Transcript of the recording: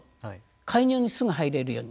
介入にすぐ入れるように。